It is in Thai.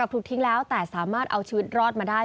ถูกทิ้งแล้วแต่สามารถเอาชีวิตรอดมาได้